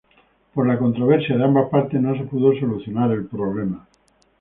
Por la controversia de ambas partes no se pudo solucionar el problema.